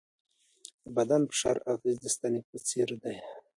د بدن فشار اغېز د ستنې په څېر دی.